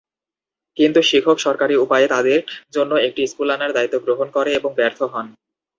কিন্তু শিক্ষক সরকারী উপায়ে তাদের জন্য একটি স্কুল আনার দায়িত্ব গ্রহণ করে এবং ব্যর্থ হন।